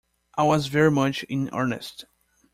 I was very much in earnest.